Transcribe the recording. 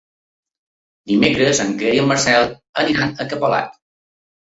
Dimecres en Quer i en Marcel iran a Capolat.